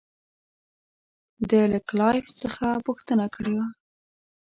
ده له کلایف څخه پوښتنه کړې وه.